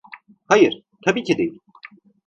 Hayır, tabii ki değil.